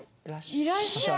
「いらっしゃい」？